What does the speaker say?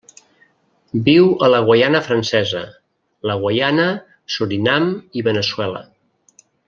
Viu a la Guaiana Francesa, la Guaiana, Surinam i Veneçuela.